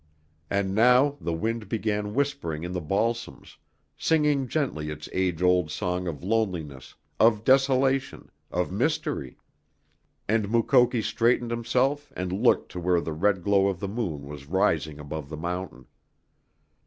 And now the wind began whispering in the balsams, singing gently its age old song of loneliness, of desolation, of mystery, and Mukoki straightened himself and looked to where the red glow of the moon was rising above the mountain.